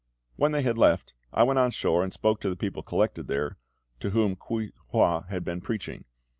When they had left, I went on shore and spoke to the people collected there, to whom Kuei hua had been preaching.